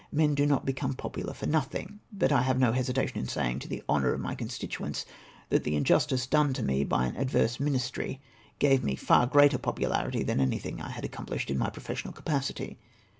Men do not become popular for nothing ; but I have no hesitation in saying, to the honour of my constituents, that the injustice done to me by an ad verse ministry gave me far greater popularity than anything I had accomplished in my professional ca pacity.